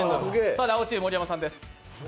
青チーム、盛山さんです。